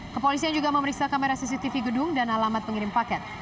kepolisian juga memeriksa kamera cctv gedung dan alamat pengirim paket